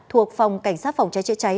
thuộc phòng cảnh sát phòng trái trị cháy